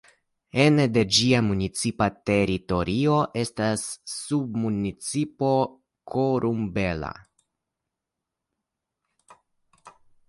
Ene de ĝia municipa teritorio estas la submunicipo Corumbela.